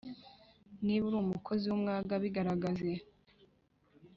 Niba uri umukozi w’umwaga bigaragaze